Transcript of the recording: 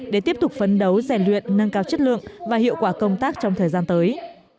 để tiếp tục phấn đấu rèn luyện nâng cao chất lượng và hiệu quả công tác trong thời gian tới